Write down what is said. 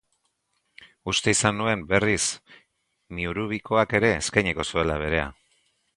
Uste izan nuen, berriz, Mihurubikoak ere eskainiko zuela berea.